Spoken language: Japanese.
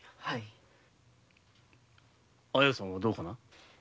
綾さんはどうかな？